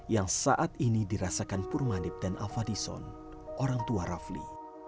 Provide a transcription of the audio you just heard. yang saat ini dirasakan permanib dan alva dison orang tua rafli